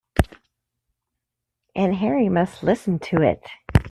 And Harry must listen to it.